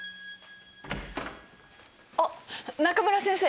あっ中村先生。